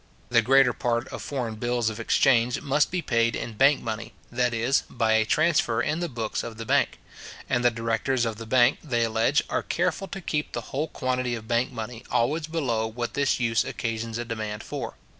The greater part of foreign bills of exchange must be paid in bank money, that is, by a transfer in the books of the bank; and the directors of the bank, they allege, are careful to keep the whole quantity of bank money always below what this use occasions a demand for.